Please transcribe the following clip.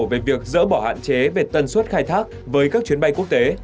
về việc dỡ bỏ hạn chế về tần suất khai thác với các chuyến bay quốc tế